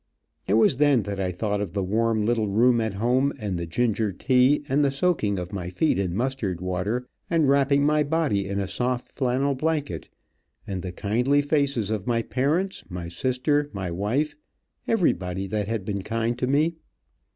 It was then that I thought of the warm little room at home and the ginger tea, and the soaking of my feet in mustard water and wrapping my body in a soft flannel blanket, and the kindly faces of my parents, my sister, my wife everybody that had been kind to me.